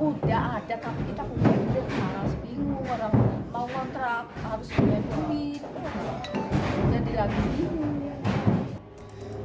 udah ada tapi kita pun udah marah bingung mau ngontrak harus punya duit jadi lagi bingung